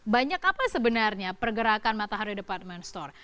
banyak apa sebenarnya pergerakan matahari department store